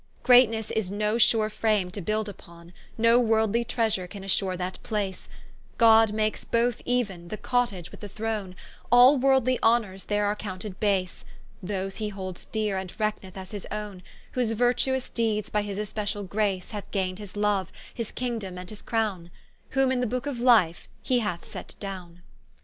Greatnesse is no sure frame to build vpon, No worldly treasure can assure that place; God makes both euen, the Cottage with the Throne, All worldly honours there are counted base, Those he holds deare, and reckneth as his owne, Whose virtuous deeds by his [especiall] grace Haue gain'd his loue, his kingdome, and his crowne, Whom in the booke of Life he hath set downe.